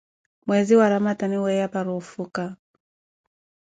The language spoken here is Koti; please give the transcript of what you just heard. Mweezi wa ramadani weeya para ofuka.